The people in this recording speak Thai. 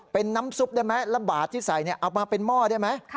เป็นน้ำซุปได้ไหมละบาทที่ใส่เอามาเป็นหม้อได้ไหม